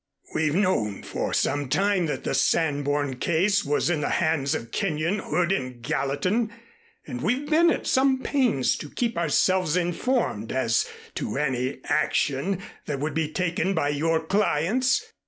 "We've known for some time that the Sanborn case was in the hands of Kenyon, Hood and Gallatin, and we've been at some pains to keep ourselves informed as to any action that would be taken by your clients.